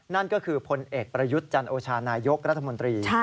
นั่นก็คือพลเอกประยุทธ์จันโอชานายกรัฐมนตรี